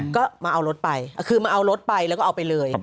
ก็มาเอารถไปคือมาเอารถไปแล้วก็เอาไปเลย